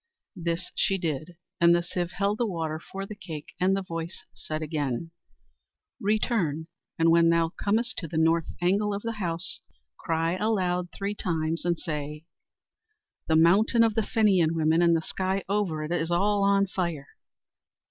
This she did, and the sieve held the water for the cake; and the voice said again: "Return, and when thou comest to the north angle of the house, cry aloud three times and say, 'The mountain of the Fenian women and the sky over it is all on fire.'"